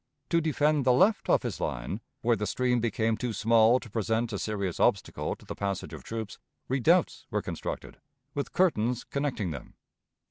To defend the left of his line, where the stream became too small to present a serious obstacle to the passage of troops, redoubts were constructed, with curtains connecting them.